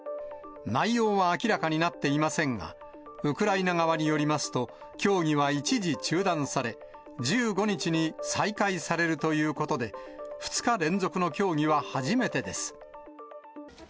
内容は明らかになっていませんが、ウクライナ側によりますと、協議は一時中断され、１５日に再開されるということで、２日連続の協議は初めてです。